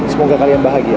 semoga kalian bahagia